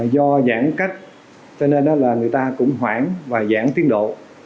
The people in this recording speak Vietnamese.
do giãn cách cho nên đó là người ta cũng hoãn và giãn tiến độ